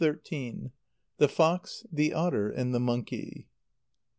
_The Fox, the Otter, and the Monkey.